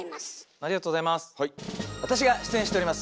ありがとうございます。